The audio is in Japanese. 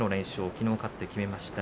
きのう勝って決めました。